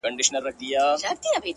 o د ژوندون ساه او مسيحا وړي څوك،